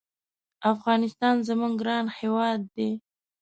افغانستان زمونږ ګران هېواد دی